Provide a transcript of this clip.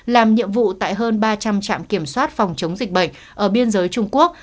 làm nhiệm vụ tại hơn ba trăm linh trạm kiểm soát phòng chống dịch bệnh ở biên giới trung quốc